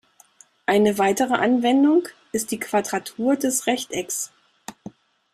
Eine weitere Anwendung ist die Quadratur des Rechtecks.